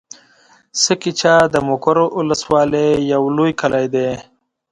سه کېچه د مقر ولسوالي يو لوی کلی دی.